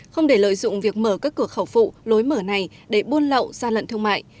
không để lợi dụng việc mở các cửa khẩu phụ lối mở này để buôn lậu gian lận thương mại